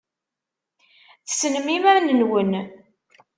Tessnem iman-nwen.